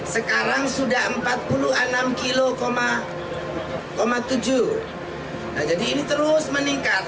sekarang sudah empat puluh enam kilo tujuh nah jadi ini terus meningkat